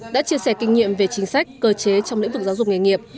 đã chia sẻ kinh nghiệm về chính sách cơ chế trong lĩnh vực giáo dục nghề nghiệp